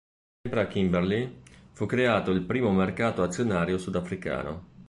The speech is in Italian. Sempre a Kimberley fu creato il primo mercato azionario sudafricano.